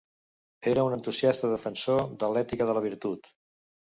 Era un entusiasta defensor de l'ètica de la virtut.